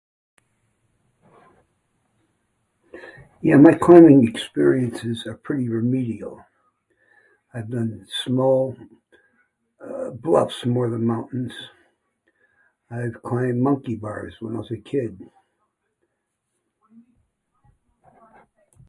Yeah, my climbing experiences are pretty remedial. I've done small bluffs more than mountains. I've climbed monkey bars when I was a kid.